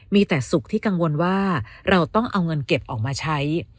มีแต่สุขที่กังวลว่าเราต้องเอาเงินเก็บออกมาใช้